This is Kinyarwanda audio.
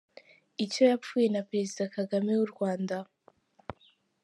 - Icyo yapfuye na Perezida Kagame w’u Rwanda,